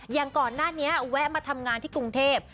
อย่างก่อนหน้านี้แวะมาทำงานที่กรุงเทพ